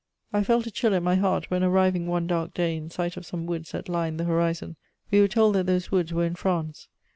I felt a chill at my heart when, arriving one dark day in sight of some woods that lined the horizon, we were told that those woods were in France.